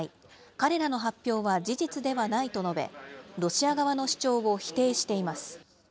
彼らの発表は事実ではないと述べ、ロシア側の主張を否定しています。